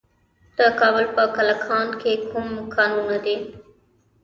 د کابل په کلکان کې کوم کانونه دي؟